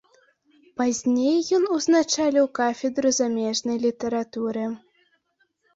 Пазней ён узначаліў кафедру замежнай літаратуры.